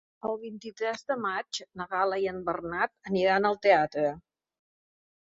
El vint-i-tres de maig na Gal·la i en Bernat aniran al teatre.